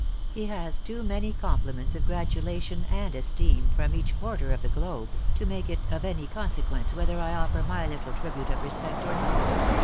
He has too many compliments of gratulation and esteem from each quarter of the globe, to make it of any consequence whether I offer my little tribute of respect or not.